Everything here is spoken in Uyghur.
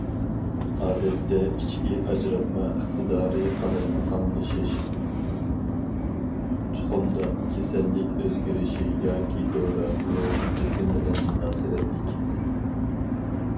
ئادەتتە ئىچكى ئاجراتما ئىقتىدارى قالايمىقانلىشىش، تۇخۇمدان، كېسەللىك ئۆزگىرىشى ياكى دورا، روھىي بېسىم بىلەن مۇناسىۋەتلىك.